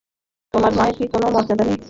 তোমার মেয়ের কি কোনো মর্যাদা নেই।